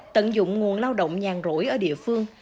tận dụng nguồn lao động nhàn rỗi ở địa phương